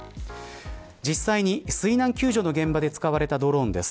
実際に水難救助の現場で使われたドローンです。